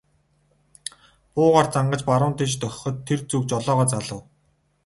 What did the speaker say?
Буугаар зангаж баруун тийш дохиход тэр зүг жолоогоо залав.